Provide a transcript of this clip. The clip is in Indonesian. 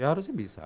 ya harusnya bisa